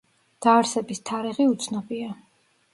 დაარსების თარიღი უცნობია.